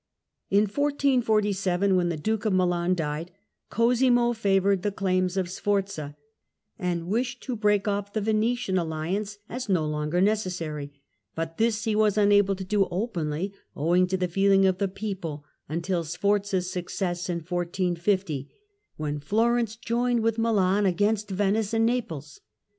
In 1447 when the Duke of Milan died, Cosimo favoured the claims of Sforza, and wished to break off the Venetian alliance as no longer necessary : but this he was unable to do openly, owing to the feeling of the people, until Sforza's success in 1450, when Florence joined with Milan against Venice and Naples.